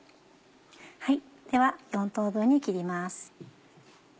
では４等分に切ります。